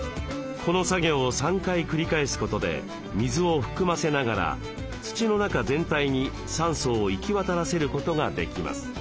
この作業を３回繰り返すことで水を含ませながら土の中全体に酸素を行き渡らせることができます。